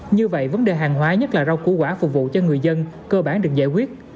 như vậy vấn đề hàng hóa nhất là rau củ quả phục vụ cho người dân cơ bản được giải quyết